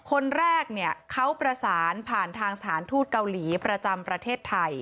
คนแรกเนี่ยเขาประสานผ่านทางสถานทูตเกาหลีประจำประเทศไทย